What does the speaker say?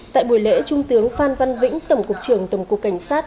tại buổi lễ trung tướng phan văn vĩnh tổng cục trưởng tổng cục cảnh sát